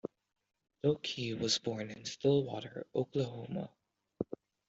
DoQui was born in Stillwater, Oklahoma.